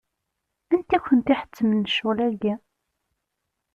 Anti i kent-iḥettmen ccɣel-agi?